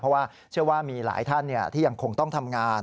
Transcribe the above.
เพราะว่าเชื่อว่ามีหลายท่านที่ยังคงต้องทำงาน